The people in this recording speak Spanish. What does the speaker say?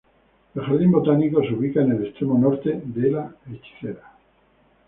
El jardín botánico se ubica en el extremo norte de La Hechicera.